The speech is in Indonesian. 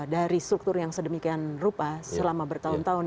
dari struktur yang sedemikian rupa selama bertahun tahun